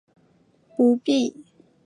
不必说碧绿的菜畦，光滑的石井栏